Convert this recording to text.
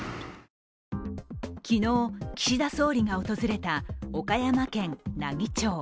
昨日、岸田総理が訪れた岡山県奈義町。